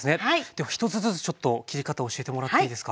では１つずつちょっと切り方を教えてもらっていいですか？